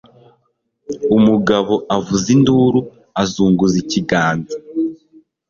Umugabo avuza induru, azunguza ikiganza.